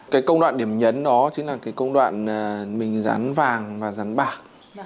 cái công đoạn điểm nhấn đó chính là cái công đoạn mình rán vàng và rán bạc